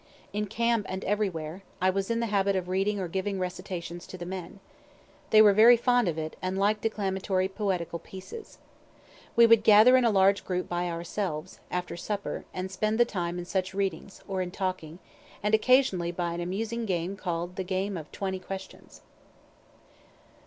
In camp and everywhere, I was in the habit of reading or giving recitations to the men. They were very fond of it, and liked declamatory poetical pieces. We would gather in a large group by ourselves, after supper, and spend the time in such readings, or in talking, and occasionally by an amusing game called the game of twenty questions.